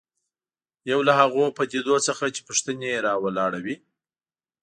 یو له هغو پدیدو څخه چې پوښتنې راولاړوي.